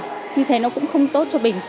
như thế nó cũng không tốt cho bình